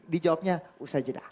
di jawabnya usai jeda